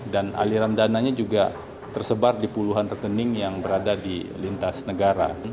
dan aliran dananya juga tersebar di puluhan rekening yang berada di lintas negara